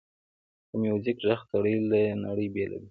د میوزیک ږغ سړی له نړۍ بېلوي.